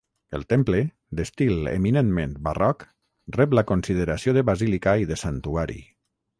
El temple, d'estil eminentment barroc, rep la consideració de basílica i de santuari.